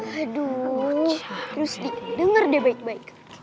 aduh terus denger deh baik baik